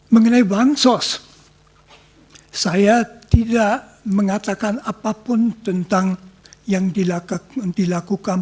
mengenai bansos saya tidak mengatakan apapun tentang yang dilakukan